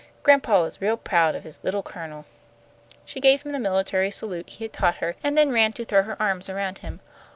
Grandpa is real proud of his 'little Colonel.'" She gave him the military salute he had taught her, and then ran to throw her arms around him.